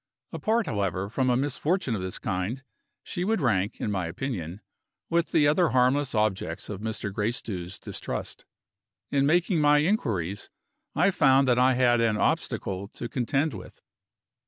Apart, however, from a misfortune of this kind, she would rank, in my opinion, with the other harmless objects of Mr. Gracedieu's distrust. In making my inquiries, I found that I had an obstacle to contend with.